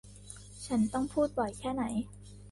ฉันต้องพูดบ่อยแค่ไหน !